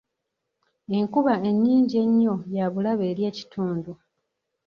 Enkuba ennyingi ennyo ya bulabe eri ekitundu.